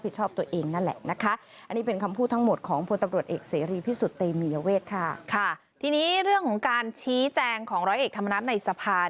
พิจารณ์ของร้อยเอกธรรมนัฏในสภา